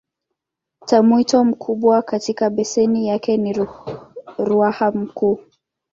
Tawimto mkubwa katika beseni yake ni Ruaha Mkuu.